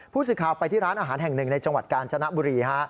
ผู้สื่อข่าวไปที่ร้านอาหารแห่งหนึ่งในจังหวัดกาญจนบุรีฮะ